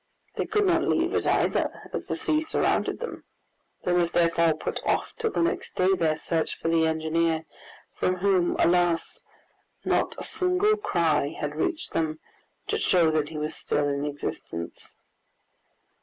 They could not leave it either, as the sea surrounded them; they must therefore put off till the next day their search for the engineer, from whom, alas! not a single cry had reached them to show that he was still in existence.